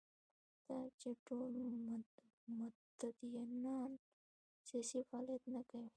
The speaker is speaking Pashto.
دا چې ټول متدینان سیاسي فعالیت نه کوي.